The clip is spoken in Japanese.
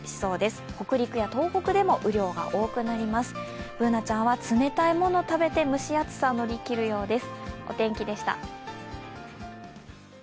Ｂｏｏｎａちゃんは冷たいものを食べて蒸し暑さを乗り切るようです。